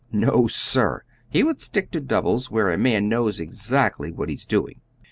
No, sir; he would stick to doubles, where a man knows exactly what he's doing.